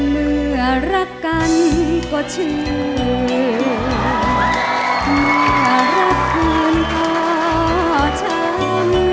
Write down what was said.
เมื่อรักกันก็เชื่อเมื่อรักกันก็ช้ำ